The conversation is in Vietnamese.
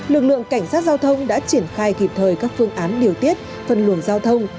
lực lượng cảnh sát giao thông đã triển khai kịp thời các phương án điều tiết phân luồng giao thông